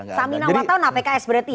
samina allah tau nah pks berarti ya